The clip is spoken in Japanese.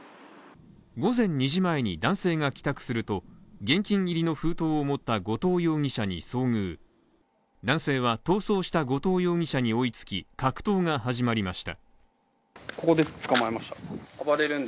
午前２時前に男性が帰宅すると現金入りの封筒を持った後藤容疑者に遭遇男性は逃走した後藤容疑者に追いつき、格闘が始まりました。